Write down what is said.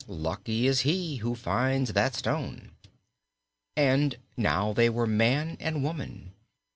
Lucky is he who finds that stone! And now they were man and woman.